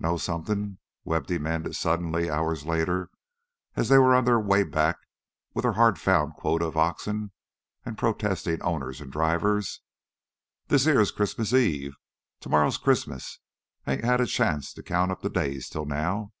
"Know somethin'?" Webb demanded suddenly, hours later, as they were on their way back with their hard found quota of oxen and protesting owners and drivers. "This heah's Christmas Eve tomorrow's Christmas! Ain't had a chance to count up the days till now."